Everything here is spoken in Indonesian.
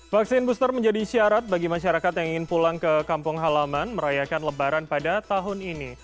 vaksin booster menjadi syarat bagi masyarakat yang ingin pulang ke kampung halaman merayakan lebaran pada tahun ini